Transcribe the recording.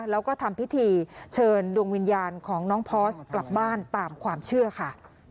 แล้วก็ทำพิธีเชิญดวงวิญญาณของน้องพอร์สกลับบ้านตามความเชื่อค่ะ